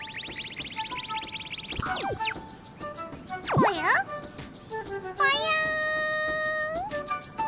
ぽよぽよん！